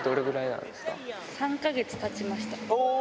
３か月たちました。